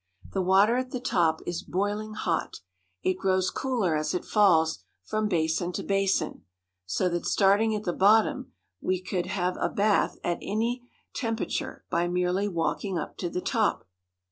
The water at the top is boiling hot. It grows cooler as it falls from basin to basin, so that, starting at the bottom, we could have a bath at any temperature by merely walking up to the top.